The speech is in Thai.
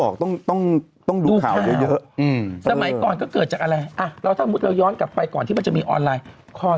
ข่าวเยอะสมัยก่อนก็เกิดจากอะไรถ้าบุษย้อนกลับไปก่อนที่มันจะมีออนไลน์